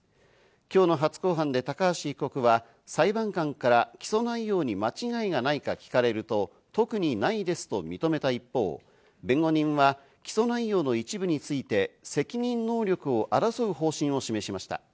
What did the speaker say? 今日の初公判で高橋被告は裁判官から起訴内容に間違いがないか聞かれると、特にないですと認めた一方、弁護人は起訴内容の一部について責任能力を争う方針を示しました。